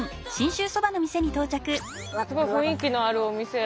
すごい雰囲気のあるお店や。